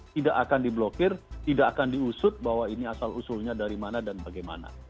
tidak akan diblokir tidak akan diusut bahwa ini asal usulnya dari mana dan bagaimana